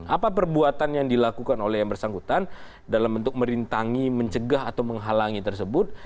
apa perbuatan yang dilakukan oleh yang bersangkutan dalam bentuk merintangi mencegah atau menghalangi tersebut